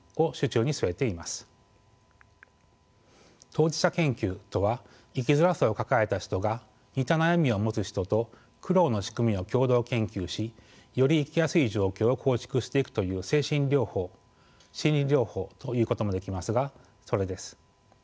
当事者研究とは生きづらさを抱えた人が似た悩みを持つ人と苦労の仕組みを共同研究しより生きやすい状況を構築していくという精神療法心理療法と言うこともできますがそれです。